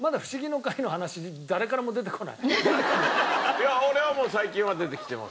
いや俺はもう最近は出てきてます。